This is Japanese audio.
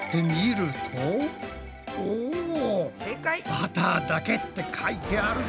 「バターだけ」って書いてあるぞ！